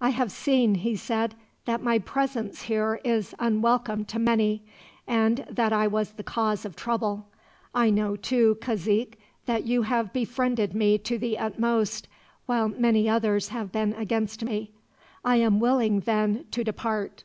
"I have seen," he said, "that my presence here is unwelcome to many, and that I was the cause of trouble. I know, too, cazique, that you have befriended me to the utmost, while many others have been against me. I am willing, then, to depart."